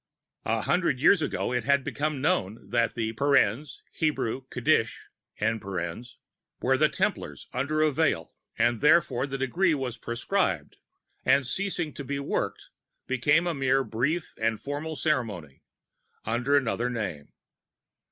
An hundred years ago it had become known that the [Hebrew: ū¦ūōū®] were the Templars under a veil, and therefore the Degree was proscribed, and, ceasing to be worked, became a mere brief and formal ceremony, under another name.